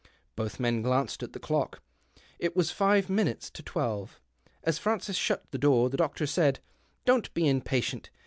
Both men glanced at the clock ; it was five minutes to twelve. As Francis shut the door, the doctor said —" Don't be impatient.